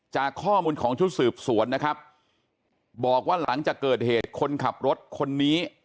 จากข้อมูลของชุดสืบสวนนะครับบอกว่าหลังจากเกิดเหตุคนขับรถคนนี้